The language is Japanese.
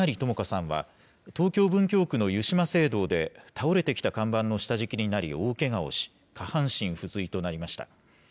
さんは、東京・文京区の湯島聖堂で、倒れてきた看板の下敷きになり、大けがをし、下半身不随となりました。